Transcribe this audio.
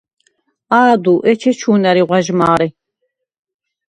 ა̄დუ, ეჩეჩუ̄ნ ა̈რი ღვაჟმა̄რე.